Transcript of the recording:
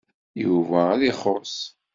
Yuba ad ixuṣ.